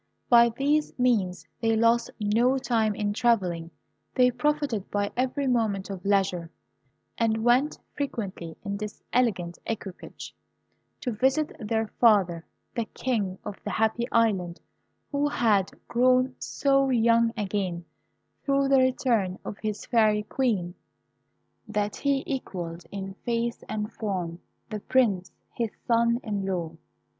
By this means they lost no time in travelling. They profited by every moment of leisure, and went frequently in this elegant equipage to visit their father, the King of the Happy Island, who had grown so young again through the return of his Fairy Queen, that he equalled in face and form the Prince, his son in law.